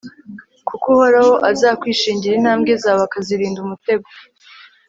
kuko uhoraho azakwishingira, intambwe zawe akazirinda umutego